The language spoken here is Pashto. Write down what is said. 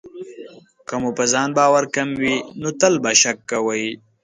که مو په ځان باور کم وي، نو تل به شک کوئ.